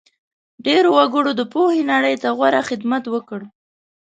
ډېرو وګړو د پوهې نړۍ ته غوره خدمت وکړ.